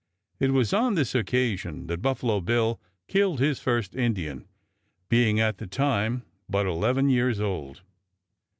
It was on this occasion that Buffalo Bill killed his first Indian, being at that time but eleven years old.